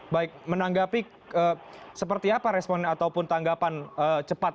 baik menanggapi seperti apa respon ataupun tanggapan cepat